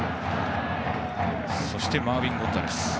そしてバッターマーウィン・ゴンザレス。